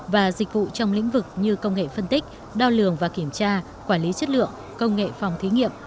và dịch vụ trong lĩnh vực như công nghệ phân tích đo lường và kiểm tra quản lý chất lượng công nghệ phòng thí nghiệm